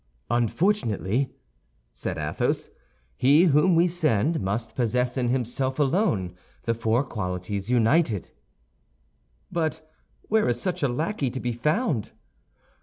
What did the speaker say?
"Unfortunately," said Athos, "he whom we send must possess in himself alone the four qualities united." "But where is such a lackey to be found?"